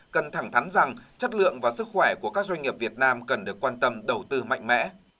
cần thẳng thắn rằng chất lượng và sức khỏe của các doanh nghiệp việt nam cần được quan tâm đầu tư mạnh mẽ